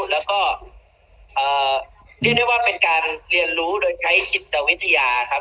แล้วก็เรียกได้ว่าเป็นการเรียนรู้โดยใช้จิตวิทยาครับ